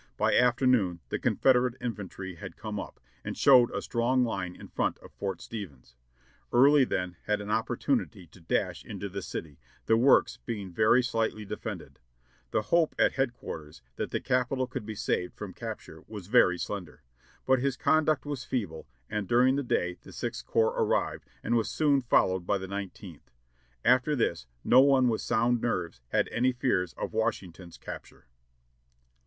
By afternoon the Confederate infantry had come up, and showed a strong line in front of Fort Stephens. Early then had an opportunity to dash into the city, the works being very slightly defended. The hope at headquarters, that the Capital could be saved from capture, was very slender. But his conduct was feeble, and during the day the Sixth Corps arrived, and was soon followed by the Nineteenth. After this no one with sound nerves had any fears of Washington's capture."